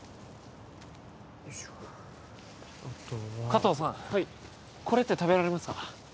加藤さんはいこれって食べられますか？